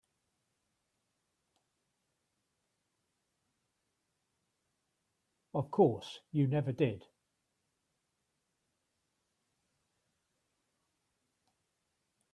Of course you never did.